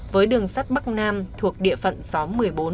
với đường sắt bắc nam thuộc địa phận xóm một mươi bốn